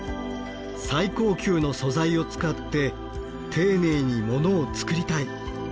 最高級の素材を使って丁寧にモノを作りたい。